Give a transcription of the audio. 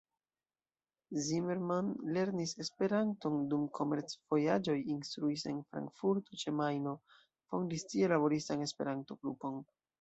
Zimmermann lernis Esperanton dum komerc-vojaĝoj, instruis en Frankfurto ĉe Majno, fondis tie laboristan Esperanto-grupon.